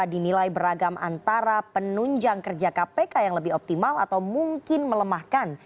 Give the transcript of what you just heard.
dinilai beragam antara penunjang kerja kpk yang lebih optimal atau mungkin melemahkan